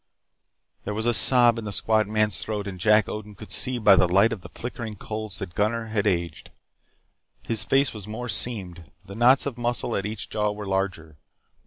There was a sob in the squat man's throat and Jack Odin could see by the light of the flickering coals that Gunnar had aged. His face was more seamed. The knots of muscle at each jaw were larger.